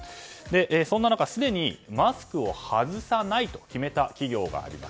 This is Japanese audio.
そんな中、すでにマスクを外さないと決めた企業があります。